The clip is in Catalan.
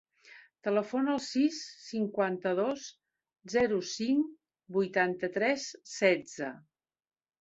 Telefona al sis, cinquanta-dos, zero, cinc, vuitanta-tres, setze.